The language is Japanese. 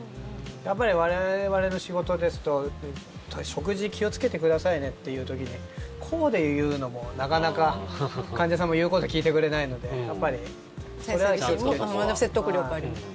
やっぱり我々の仕事ですと食事、気をつけてくださいねって言う時にこうで言うのもなかなか患者さんも言うことを聞いてくれないのでやっぱり気をつけてます。